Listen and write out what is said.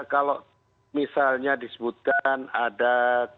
kalau misalnya disebutkan ada